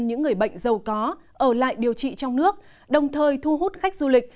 những người bệnh giàu có ở lại điều trị trong nước đồng thời thu hút khách du lịch